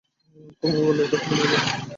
কুমু বললে, এটা তুমি নিয়ে যাও।